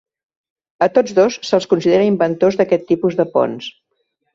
A tots dos se'ls considera inventors d'aquest tipus de ponts.